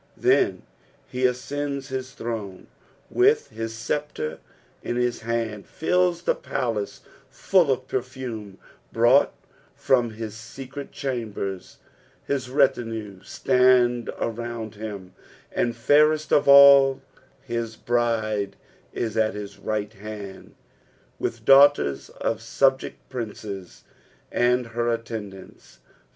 Then he Hsccuda his throne with his sceptre In his hand, flits the palace ball with perfume brought from his secret chambers, his retinue stand around liim, and, fairest of ell, bis bride is at his right hand, with daughters of subject prioces as her attendants.